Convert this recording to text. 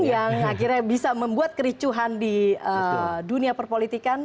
yang akhirnya bisa membuat kericuhan di dunia perpolitikan